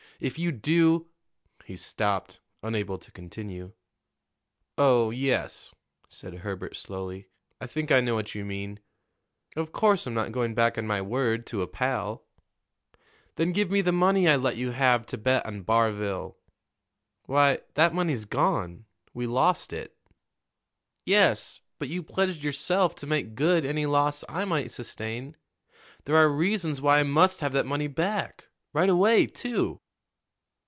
If you do " He stopped, unable to continue. "Oh, yes," said Herbert slowly, "I think I know what you mean. Of course I'm not going back on my word to a pal." "Then give me the money I let you have to bet on Barville." "Why, that money's gone. We lost it." "Yes, but you pledged yourself to make good any loss I might sustain. There are reasons why I must have that money back right away, too."